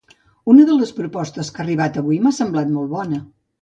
Una de les propostes que ha arribat avui m'ha semblat molt bona.